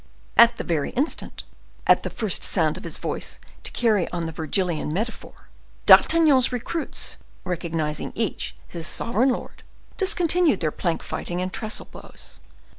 At the very instant, at the first sound of his voice, to carry on the Virgilian metaphor, D'Artagnan's recruits, recognizing each his sovereign lord, discontinued their plank fighting and trestle blows.